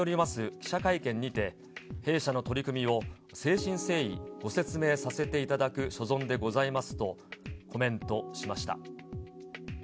記者会見にて、弊社の取り組みを誠心誠意、ご説明させていただく所存でございますとコメントしました。